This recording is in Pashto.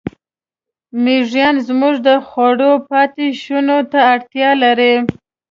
مېږیان زموږ د خوړو پاتېشونو ته اړتیا لري.